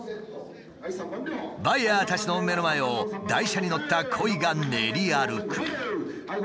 バイヤーたちの目の前を台車に乗ったコイが練り歩く。